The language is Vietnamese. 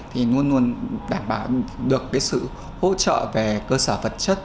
thì luôn luôn đảm bảo được sự hỗ trợ về cơ sở vật chất